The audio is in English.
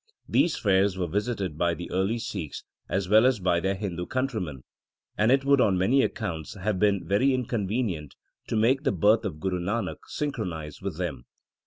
These fairs were visited by the early Sikhs as well as by their Hindu countrymen ; and it would on many accounts have been very inconvenient to make the birth of Guru Nanak synchronize with them.